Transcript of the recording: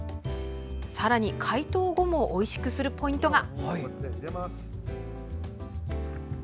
さらに解凍後もおいしくするポイントが。